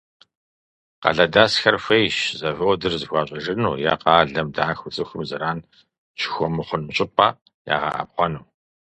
Къалэдэсхэр хуейщ заводыр зэхуащӀыжыну е къалэм дахыу цӀыхум зэран щыхуэмыхъун щӀыпӀэ ягъэӀэпхъуэну.